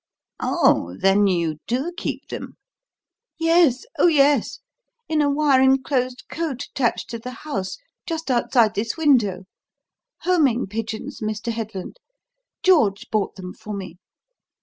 "Oh, then you do keep them?" "Yes; oh, yes. In a wire enclosed cote attached to the house just outside this window. Homing pigeons, Mr. Headland. George bought them for me.